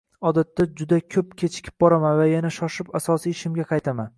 Odatda juda koʻp kechikib boraman va yana shoshib asosiy ishimga qaytaman.